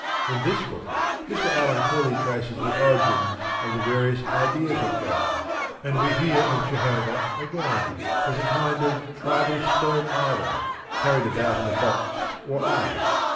In this book Mr. Allen clearly traces the origins of the various ideas of God, and we hear of Jehovah again, as a kind of tribal stone idol, carried about in a box or ark.